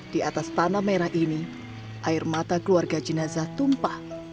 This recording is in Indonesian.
di atas tanah merah ini air mata keluarga jenazah tumpah